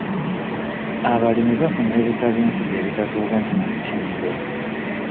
Abalimi bafuna ebika by'ensigo ebitatuukanye na mutindo.